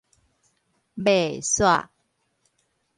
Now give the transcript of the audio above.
袂煞